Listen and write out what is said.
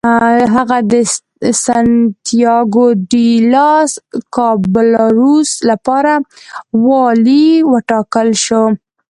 هغه د سنتیاګو ډي لاس کابالروس لپاره والي وټاکل شو.